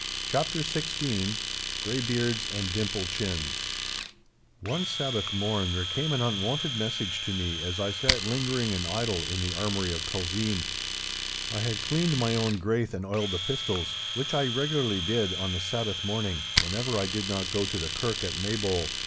*CHAPTER XVI* *GREYBEARDS AND DIMPLE CHINS* One Sabbath morn there came an unwonted message to me, as I sat lingering and idle in the armoury of Culzean. I had cleaned my own graith and oiled the pistols—which I regularly did on the Sabbath morning whenever I did not go to the kirk at Maybole.